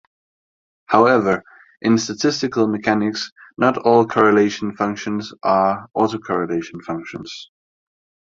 However, in statistical mechanics, not all correlation functions are autocorrelation functions.